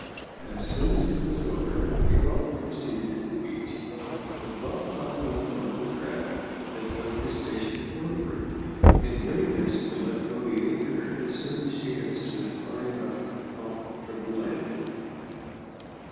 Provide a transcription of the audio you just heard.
As soon as it was over we all proceeded to the beach, and Bob climbed on board the craft, and took his station forward, in readiness to let go the anchor as soon as she had slid far enough off from the land.